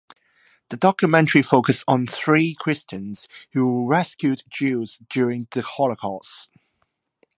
The documentary focused on three Christians who rescued Jews during the Holocaust.